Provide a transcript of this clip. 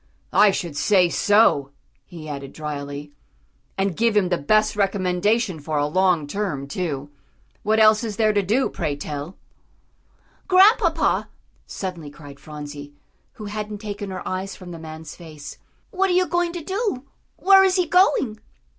"I should say so," he added drily, "and give him the best recommendation for a long term, too. What else is there to do, pray tell?" "Grandpapa," suddenly cried Phronsie, who hadn't taken her eyes from the man's face, "what are you going to do where is he going?"